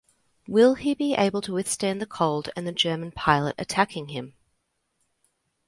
Will he be able to withstand the cold and the German pilot attacking him?